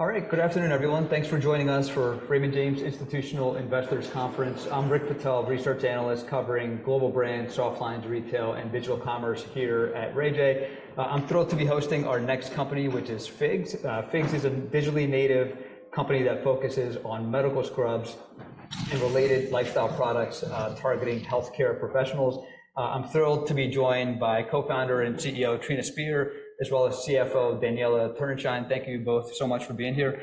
All right, good afternoon, everyone. Thanks for joining us for Raymond James Institutional Investors Conference. I'm Rick Patel, research analyst covering global brands, soft lines, retail, and digital commerce here at RayJay. I'm thrilled to be hosting our next company, which is FIGS. FIGS is a digitally native company that focuses on medical scrubs and related lifestyle products targeting healthcare professionals. I'm thrilled to be joined by co-founder and CEO Trina Spear, as well as CFO Daniella Turenshine. Thank you both so much for being here.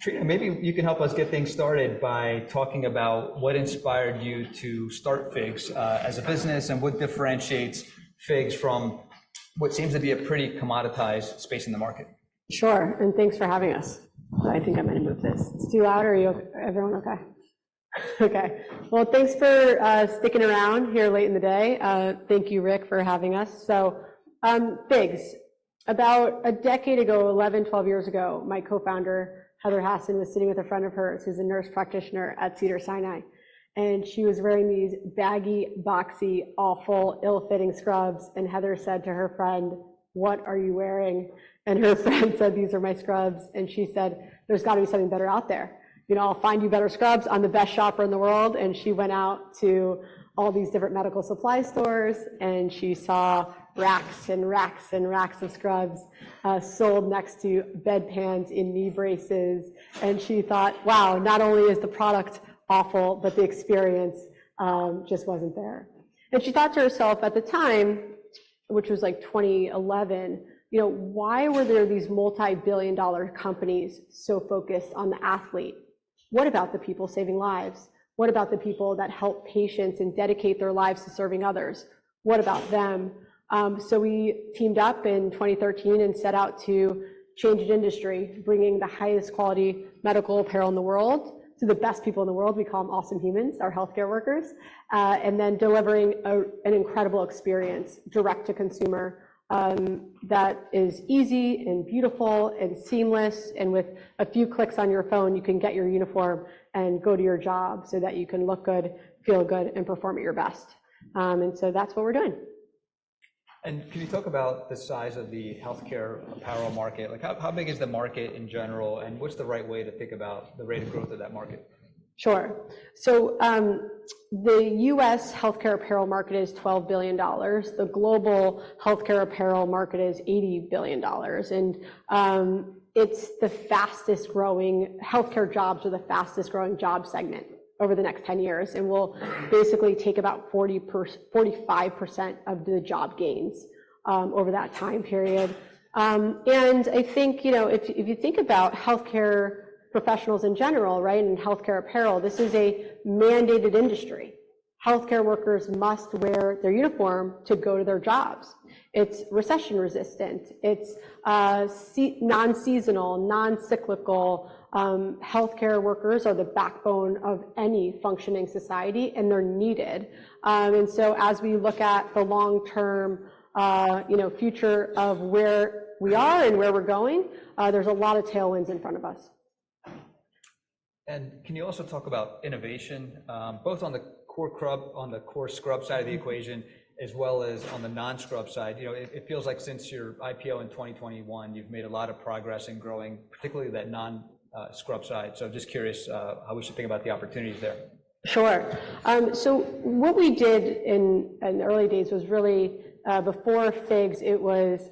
Trina, maybe you can help us get things started by talking about what inspired you to start FIGS as a business and what differentiates FIGS from what seems to be a pretty commoditized space in the market. Sure, and thanks for having us. I think I'm going to move this. It's too loud. Are everyone okay? Okay, well, thanks for sticking around here late in the day. Thank you, Rick, for having us. So FIGS, about a decade ago, 11, 12 years ago, my co-founder Heather Hasson was sitting with a friend of hers who's a nurse practitioner at Cedars-Sinai, and she was wearing these baggy, boxy, awful, ill-fitting scrubs. And Heather said to her friend, "What are you wearing?" And her friend said, "These are my scrubs." And she said, "There's got to be something better out there. I'll find you better scrubs on the best shopper in the world." And she went out to all these different medical supply stores, and she saw racks and racks and racks of scrubs sold next to bedpans and knee braces. She thought, "Wow, not only is the product awful, but the experience just wasn't there." She thought to herself at the time, which was like 2011, "Why were there these multi-billion dollar companies so focused on the athlete? What about the people saving lives? What about the people that help patients and dedicate their lives to serving others? What about them?" We teamed up in 2013 and set out to change an industry, bringing the highest quality medical apparel in the world to the best people in the world. We call them awesome humans, our healthcare workers, and then delivering an incredible experience direct to consumer that is easy and beautiful and seamless. With a few clicks on your phone, you can get your uniform and go to your job so that you can look good, feel good, and perform at your best. That's what we're doing. Can you talk about the size of the healthcare apparel market? How big is the market in general, and what's the right way to think about the rate of growth of that market? Sure. So the U.S. healthcare apparel market is $12 billion. The global healthcare apparel market is $80 billion, and it's the fastest growing. Healthcare jobs are the fastest growing job segment over the next 10 years, and we'll basically take about 45% of the job gains over that time period. And I think if you think about healthcare professionals in general and healthcare apparel, this is a mandated industry. Healthcare workers must wear their uniform to go to their jobs. It's recession resistant. It's non-seasonal, non-cyclical. Healthcare workers are the backbone of any functioning society, and they're needed. And so as we look at the long-term future of where we are and where we're going, there's a lot of tailwinds in front of us. Can you also talk about innovation, both on the core scrub side of the equation as well as on the non-scrub side? It feels like since your IPO in 2021, you've made a lot of progress in growing, particularly that non-scrub side. So just curious how we should think about the opportunities there. Sure. So what we did in the early days was really, before FIGS, it was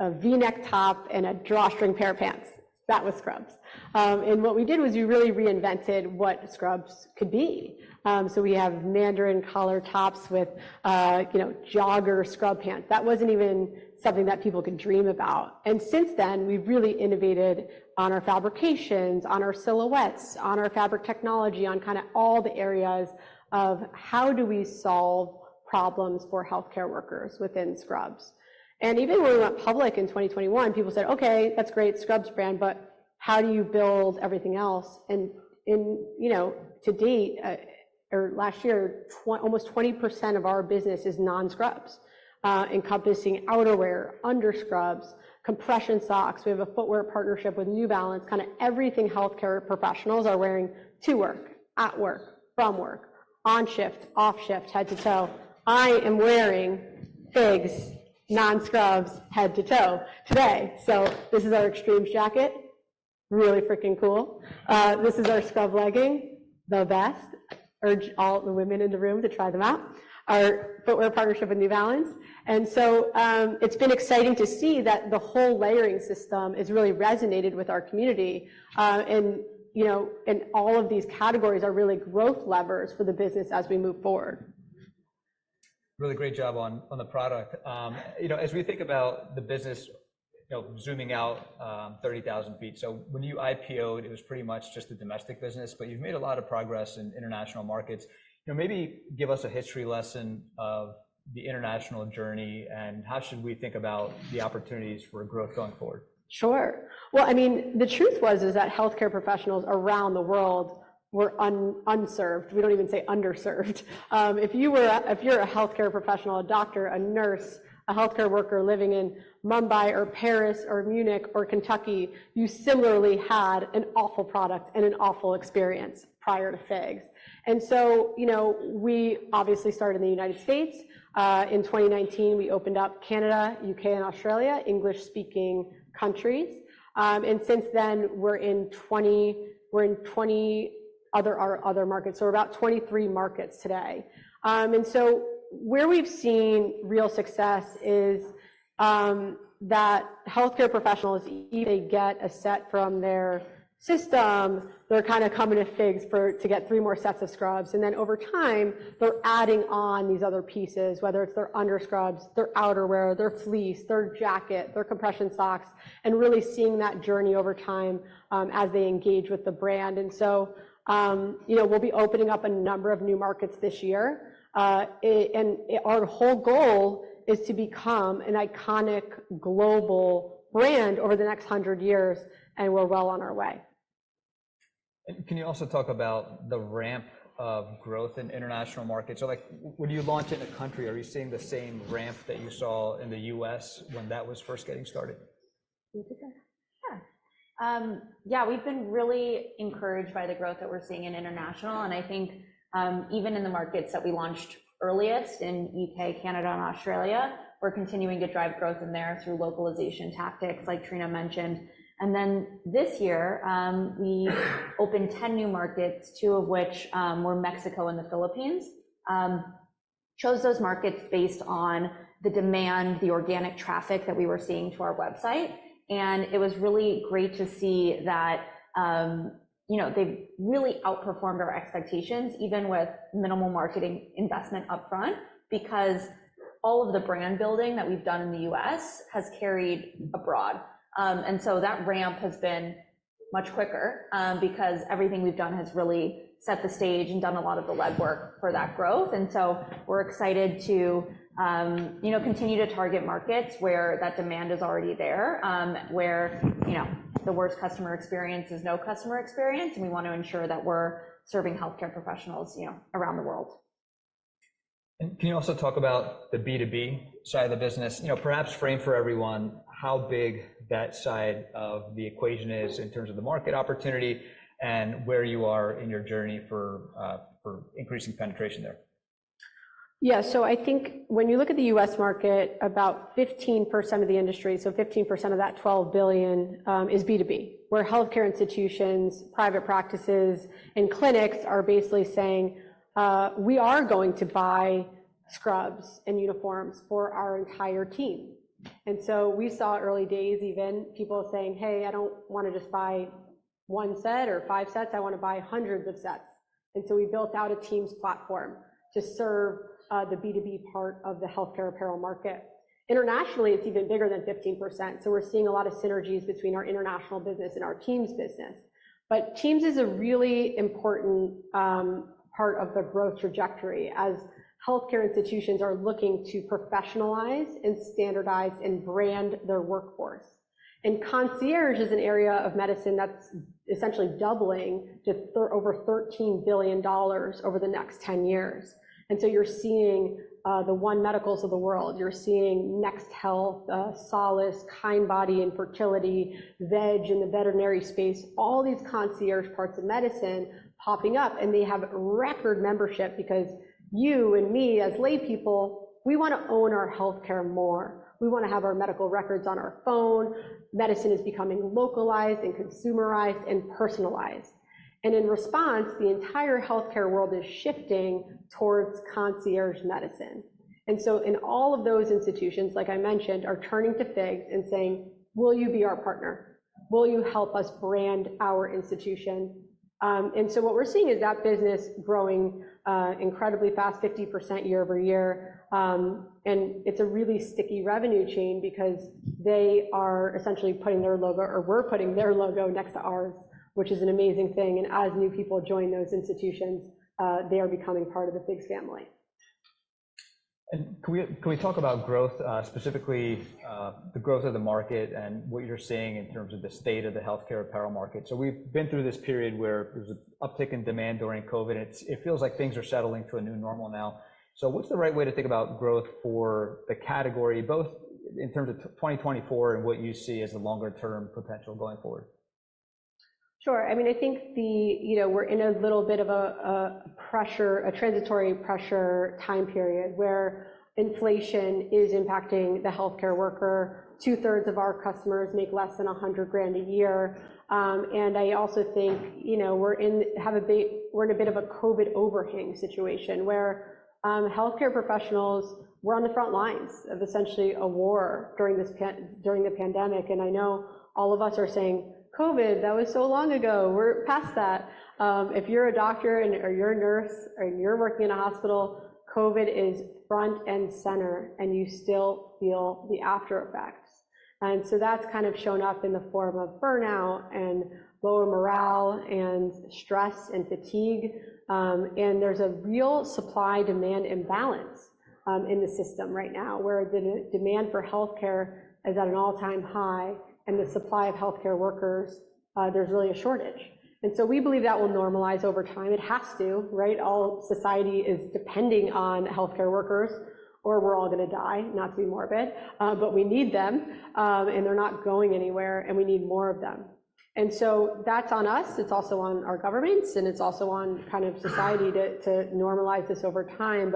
a V-neck top and a drawstring pair of pants. That was scrubs. And what we did was we really reinvented what scrubs could be. So we have mandarin-collar tops with jogger scrub pants. That wasn't even something that people could dream about. And since then, we've really innovated on our fabrications, on our silhouettes, on our fabric technology, on kind of all the areas of how do we solve problems for healthcare workers within scrubs. And even when we went public in 2021, people said, "Okay, that's great, scrubs brand, but how do you build everything else?" And to date, or last year, almost 20% of our business is non-scrubs, encompassing outerwear, under scrubs, compression socks. We have a footwear partnership with New Balance. Kind of everything healthcare professionals are wearing to work, at work, from work, on shift, off shift, head to toe. I am wearing FIGS non-scrubs head to toe today. So this is our extreme jacket, really freaking cool. This is our scrub legging, the best. Urge all the women in the room to try them out, our footwear partnership with New Balance. And so it's been exciting to see that the whole layering system has really resonated with our community, and all of these categories are really growth levers for the business as we move forward. Really great job on the product. As we think about the business zooming out 30,000 ft, so when you IPOed, it was pretty much just a domestic business, but you've made a lot of progress in international markets. Maybe give us a history lesson of the international journey and how should we think about the opportunities for growth going forward? Sure. Well, I mean, the truth was that healthcare professionals around the world were unserved. We don't even say underserved. If you're a healthcare professional, a doctor, a nurse, a healthcare worker living in Mumbai or Paris or Munich or Kentucky, you similarly had an awful product and an awful experience prior to FIGS. And so we obviously started in the United States. In 2019, we opened up Canada, U.K., and Australia, English-speaking countries. And since then, we're in 20 other markets, so we're about 23 markets today. And so where we've seen real success is that healthcare professionals, either they get a set from their system, they're kind of coming to FIGS to get three more sets of scrubs, and then over time, they're adding on these other pieces, whether it's their under scrubs, their outerwear, their fleece, their jacket, their compression socks, and really seeing that journey over time as they engage with the brand. And so we'll be opening up a number of new markets this year, and our whole goal is to become an iconic global brand over the next 100 years, and we're well on our way. Can you also talk about the ramp of growth in international markets? When you launch in a country, are you seeing the same ramp that you saw in the U.S. when that was first getting started? Yeah, we've been really encouraged by the growth that we're seeing in international, and I think even in the markets that we launched earliest in U.K., Canada, and Australia, we're continuing to drive growth in there through localization tactics like Trina mentioned. And then this year, we opened 10 new markets, two of which were Mexico and the Philippines. Chose those markets based on the demand, the organic traffic that we were seeing to our website, and it was really great to see that they've really outperformed our expectations, even with minimal marketing investment upfront, because all of the brand building that we've done in the U.S. has carried abroad. And so that ramp has been much quicker because everything we've done has really set the stage and done a lot of the legwork for that growth. We're excited to continue to target markets where that demand is already there, where the worst customer experience is no customer experience, and we want to ensure that we're serving healthcare professionals around the world. Can you also talk about the B2B side of the business, perhaps frame for everyone how big that side of the equation is in terms of the market opportunity and where you are in your journey for increasing penetration there? Yeah, so I think when you look at the U.S. market, about 15% of the industry, so 15% of that $12 billion, is B2B, where healthcare institutions, private practices, and clinics are basically saying, "We are going to buy scrubs and uniforms for our entire team." And so we saw early days even people saying, "Hey, I don't want to just buy one set or five sets. I want to buy hundreds of sets." And so we built out a Teams platform to serve the B2B part of the healthcare apparel market. Internationally, it's even bigger than 15%, so we're seeing a lot of synergies between our international business and our Teams business. But Teams is a really important part of the growth trajectory as healthcare institutions are looking to professionalize and standardize and brand their workforce. Concierge is an area of medicine that's essentially doubling to over $13 billion over the next 10 years. So you're seeing the One Medicals of the world. You're seeing Next Health, Sollis Health, Kindbody in fertility, VEG in the veterinary space, all these concierge parts of medicine popping up, and they have record membership because you and me as laypeople, we want to own our healthcare more. We want to have our medical records on our phone. Medicine is becoming localized and consumerized and personalized. In response, the entire healthcare world is shifting towards concierge medicine. In all of those institutions, like I mentioned, are turning to FIGS and saying, "Will you be our partner? Will you help us brand our institution?" So what we're seeing is that business growing incredibly fast, 50% year-over-year, and it's a really sticky revenue chain because they are essentially putting their logo or we're putting their logo next to ours, which is an amazing thing. As new people join those institutions, they are becoming part of the FIGS family. Can we talk about growth, specifically the growth of the market and what you're seeing in terms of the state of the healthcare apparel market? We've been through this period where there was an uptick in demand during COVID, and it feels like things are settling to a new normal now. What's the right way to think about growth for the category, both in terms of 2024 and what you see as the longer-term potential going forward? Sure. I mean, I think we're in a little bit of a transitory pressure time period where inflation is impacting the healthcare worker. Two-thirds of our customers make less than $100,000 a year. I also think we're in a bit of a COVID overhang situation where healthcare professionals were on the front lines of essentially a war during the pandemic. I know all of us are saying, "COVID, that was so long ago. We're past that." If you're a doctor or you're a nurse and you're working in a hospital, COVID is front and center, and you still feel the aftereffects. So that's kind of shown up in the form of burnout and lower morale and stress and fatigue. There's a real supply-demand imbalance in the system right now, where the demand for healthcare is at an all-time high, and the supply of healthcare workers, there's really a shortage. We believe that will normalize over time. It has to. All society is depending on healthcare workers, or we're all going to die, not to be morbid, but we need them, and they're not going anywhere, and we need more of them. That's on us. It's also on our governments, and it's also on kind of society to normalize this over time.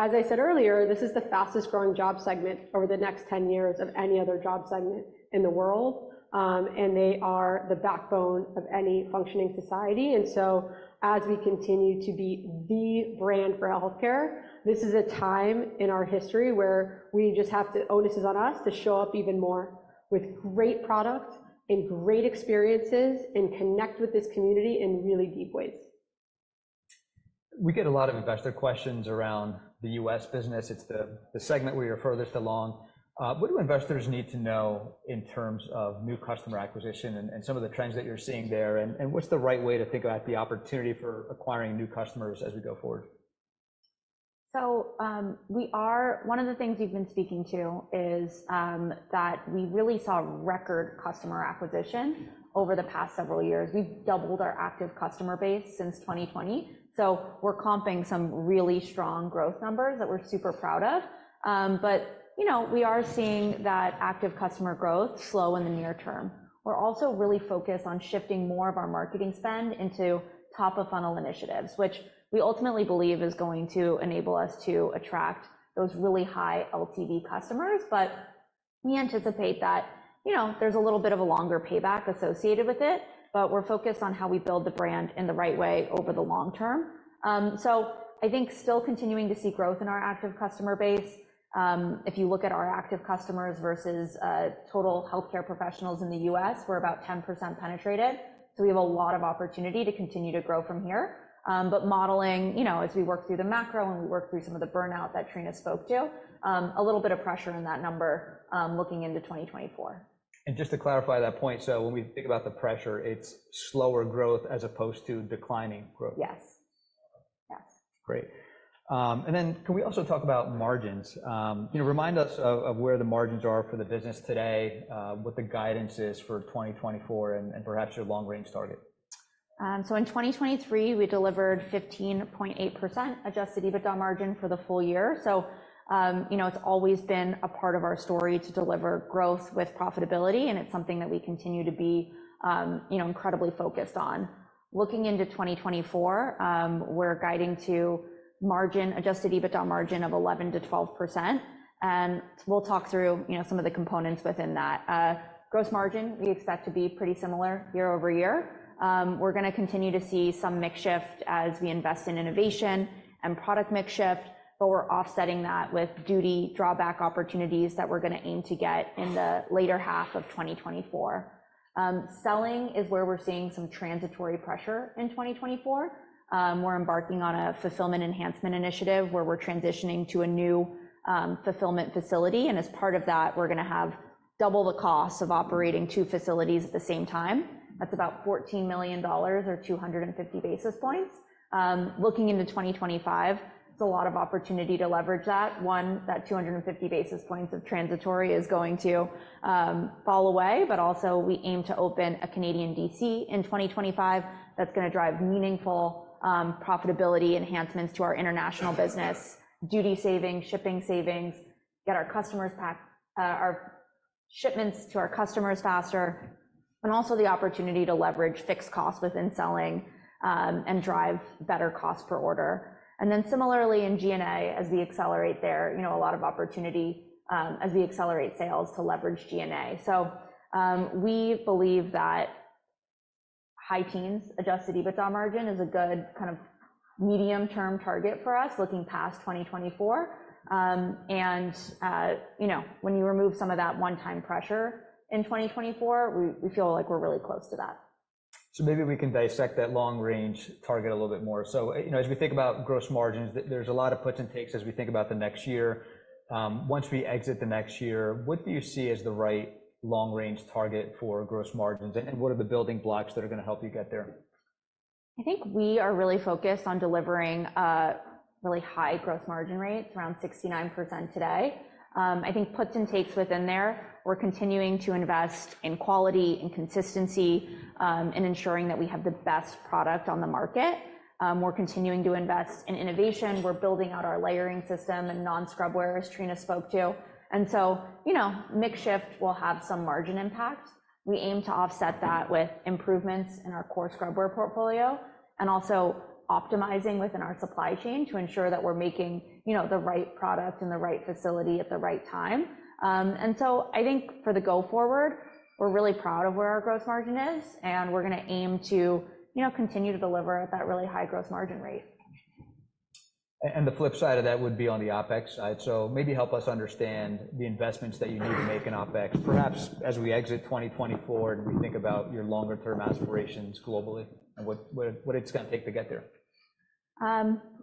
As I said earlier, this is the fastest growing job segment over the next 10 years of any other job segment in the world, and they are the backbone of any functioning society. And so as we continue to be the brand for healthcare, this is a time in our history where we just have to—the onus is on us—to show up even more with great product and great experiences and connect with this community in really deep ways. We get a lot of investor questions around the U.S. business. It's the segment where you're furthest along. What do investors need to know in terms of new customer acquisition and some of the trends that you're seeing there? And what's the right way to think about the opportunity for acquiring new customers as we go forward? So one of the things we've been speaking to is that we really saw record customer acquisition over the past several years. We've doubled our active customer base since 2020, so we're comping some really strong growth numbers that we're super proud of. But we are seeing that active customer growth slow in the near term. We're also really focused on shifting more of our marketing spend into top-of-funnel initiatives, which we ultimately believe is going to enable us to attract those really high LTV customers. But we anticipate that there's a little bit of a longer payback associated with it, but we're focused on how we build the brand in the right way over the long term. So I think still continuing to see growth in our active customer base. If you look at our active customers versus total healthcare professionals in the U.S., we're about 10% penetrated, so we have a lot of opportunity to continue to grow from here. But modeling, as we work through the macro and we work through some of the burnout that Trina spoke to, a little bit of pressure in that number looking into 2024. Just to clarify that point, so when we think about the pressure, it's slower growth as opposed to declining growth. Yes. Yes. Great. And then can we also talk about margins? Remind us of where the margins are for the business today, what the guidance is for 2024, and perhaps your long-range target. So in 2023, we delivered 15.8% adjusted EBITDA margin for the full year. So it's always been a part of our story to deliver growth with profitability, and it's something that we continue to be incredibly focused on. Looking into 2024, we're guiding to margin adjusted EBITDA margin of 11%-12%, and we'll talk through some of the components within that. Gross margin, we expect to be pretty similar year-over-year. We're going to continue to see some mix shift as we invest in innovation and product mix shift, but we're offsetting that with duty drawback opportunities that we're going to aim to get in the later half of 2024. Selling is where we're seeing some transitory pressure in 2024. We're embarking on a fulfillment enhancement initiative where we're transitioning to a new fulfillment facility, and as part of that, we're going to have double the cost of operating two facilities at the same time. That's about $14 million or 250 basis points. Looking into 2025, it's a lot of opportunity to leverage that. One, that 250 basis points of transitory is going to fall away, but also we aim to open a Canadian DC in 2025 that's going to drive meaningful profitability enhancements to our international business, duty savings, shipping savings, get our shipments to our customers faster, and also the opportunity to leverage fixed costs within selling and drive better cost per order. And then similarly, in G&A, as we accelerate there, a lot of opportunity as we accelerate sales to leverage G&A. We believe that high Teams Adjusted EBITDA margin is a good kind of medium-term target for us looking past 2024. When you remove some of that one-time pressure in 2024, we feel like we're really close to that. So maybe we can dissect that long-range target a little bit more. So as we think about gross margins, there's a lot of puts and takes as we think about the next year. Once we exit the next year, what do you see as the right long-range target for gross margins, and what are the building blocks that are going to help you get there? I think we are really focused on delivering really high gross margin rates, around 69% today. I think puts and takes within there. We're continuing to invest in quality and consistency and ensuring that we have the best product on the market. We're continuing to invest in innovation. We're building out our layering system and non-scrub wear, as Trina spoke to. And so mix shift will have some margin impact. We aim to offset that with improvements in our core scrub wear portfolio and also optimizing within our supply chain to ensure that we're making the right product in the right facility at the right time. And so I think for the go forward, we're really proud of where our gross margin is, and we're going to aim to continue to deliver at that really high gross margin rate. The flip side of that would be on the OpEx side. Maybe help us understand the investments that you need to make in OpEx, perhaps as we exit 2024 and we think about your longer-term aspirations globally and what it's going to take to get there.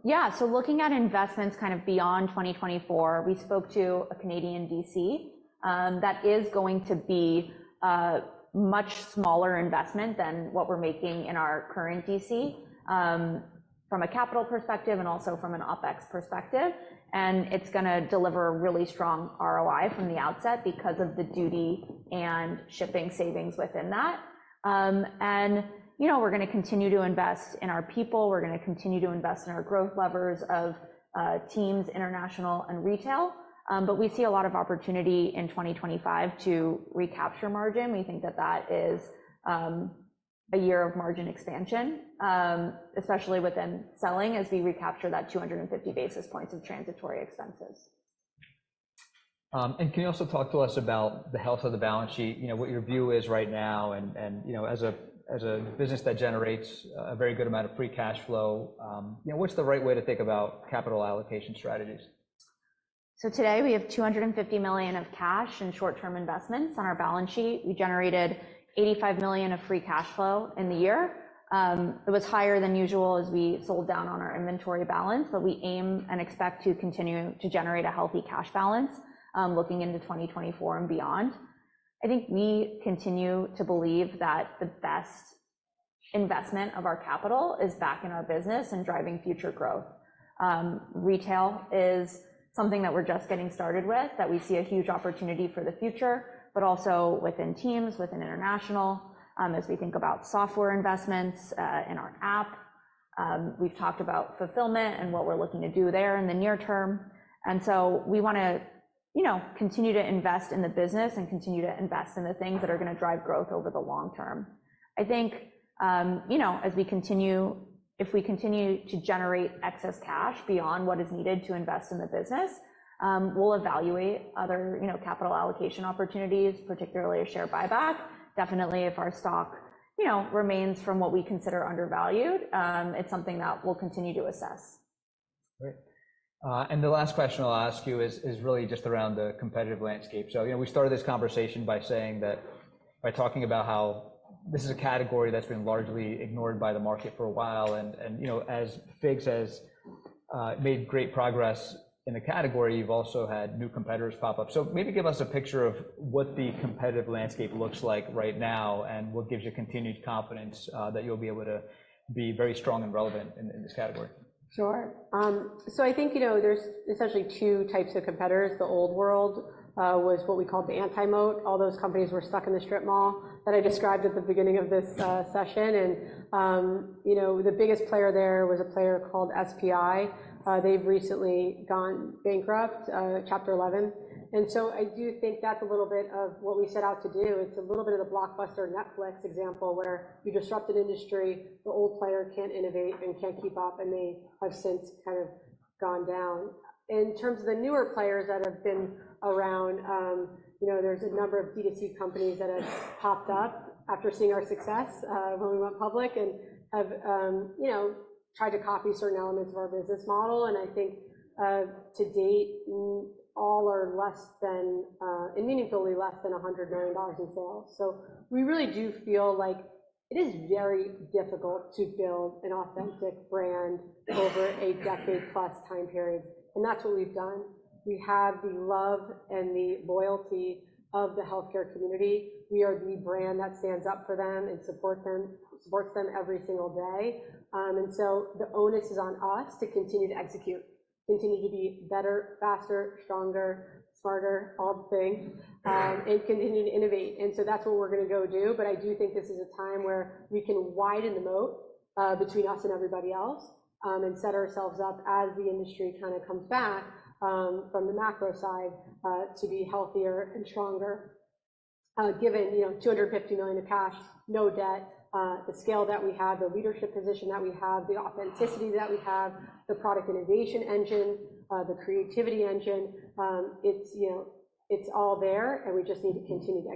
Yeah. So looking at investments kind of beyond 2024, we spoke to a Canadian DC that is going to be a much smaller investment than what we're making in our current DC from a capital perspective and also from an OpEx perspective. And it's going to deliver a really strong ROI from the outset because of the duty and shipping savings within that. And we're going to continue to invest in our people. We're going to continue to invest in our growth levers of Teams, international, and retail. But we see a lot of opportunity in 2025 to recapture margin. We think that that is a year of margin expansion, especially within selling as we recapture that 250 basis points of transitory expenses. Can you also talk to us about the health of the balance sheet, what your view is right now? And as a business that generates a very good amount of free cash flow, what's the right way to think about capital allocation strategies? So today we have $250 million of cash and short-term investments on our balance sheet. We generated $85 million of free cash flow in the year. It was higher than usual as we sold down on our inventory balance, but we aim and expect to continue to generate a healthy cash balance looking into 2024 and beyond. I think we continue to believe that the best investment of our capital is back in our business and driving future growth. Retail is something that we're just getting started with, that we see a huge opportunity for the future, but also within Teams, within international, as we think about software investments in our app. We've talked about fulfillment and what we're looking to do there in the near term. And so we want to continue to invest in the business and continue to invest in the things that are going to drive growth over the long term. I think as we continue, if we continue to generate excess cash beyond what is needed to invest in the business, we'll evaluate other capital allocation opportunities, particularly a share buyback. Definitely, if our stock remains from what we consider undervalued, it's something that we'll continue to assess. Great. The last question I'll ask you is really just around the competitive landscape. We started this conversation by saying that by talking about how this is a category that's been largely ignored by the market for a while, and as FIGS has made great progress in the category, you've also had new competitors pop up. Maybe give us a picture of what the competitive landscape looks like right now and what gives you continued confidence that you'll be able to be very strong and relevant in this category. Sure. So I think there's essentially two types of competitors. The old world was what we called the anti-moat. All those companies were stuck in the strip mall that I described at the beginning of this session. And the biggest player there was a player called SPI. They've recently gone bankrupt, Chapter 11. And so I do think that's a little bit of what we set out to do. It's a little bit of the Blockbuster Netflix example where you disrupt an industry, the old player can't innovate and can't keep up, and they have since kind of gone down. In terms of the newer players that have been around, there's a number of DTC companies that have popped up after seeing our success when we went public and have tried to copy certain elements of our business model. I think to date, all are meaningfully less than $100 million in sales. We really do feel like it is very difficult to build an authentic brand over a decade-plus time period, and that's what we've done. We have the love and the loyalty of the healthcare community. We are the brand that stands up for them and supports them every single day. The onus is on us to continue to execute, continue to be better, faster, stronger, smarter, all the things, and continue to innovate. That's what we're going to go do. But I do think this is a time where we can widen the moat between us and everybody else and set ourselves up as the industry kind of comes back from the macro side to be healthier and stronger. Given $250 million of cash, no debt, the scale that we have, the leadership position that we have, the authenticity that we have, the product innovation engine, the creativity engine, it's all there, and we just need to continue to.